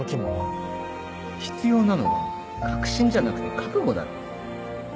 必要なのは確信じゃなくて覚悟だろ